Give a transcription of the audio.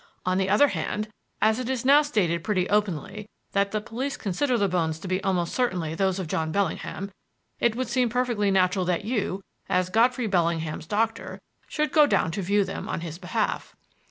On the other hand, as it is now stated pretty openly that the police consider the bones to be almost certainly those of John Bellingham, it would seem perfectly natural that you, as Godfrey Bellingham's doctor, should go down to view them on his behalf."